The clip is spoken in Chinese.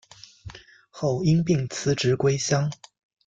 后因病辞职归乡。